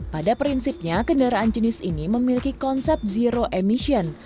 pada prinsipnya kendaraan jenis ini memiliki konsep zero emission